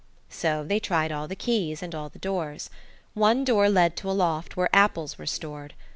So they tried all the keys and all the doors. One door led to a loft where apples were stored.